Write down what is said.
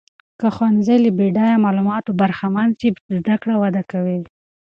که ښوونځۍ له بډایه معلوماتو برخمن سي، زده کړه وده کوي.